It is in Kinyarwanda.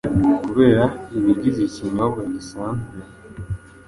kubera ibigize iki kinyobwa gisanzwe